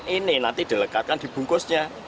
ini nanti dilekatkan dibungkusnya